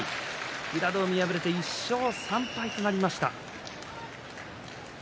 平戸海、敗れて１勝３敗となりました。